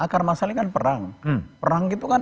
akar masalahnya kan perang perang itu kan